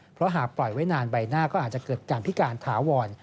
เพราะหากปล่อยไว้นานใบหน้าก็อาจจะเกิดการพิการถาวร